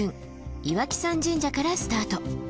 岩木山神社からスタート。